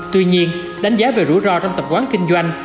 tuy nhiên đánh giá về rủi ro trong tập quán kinh doanh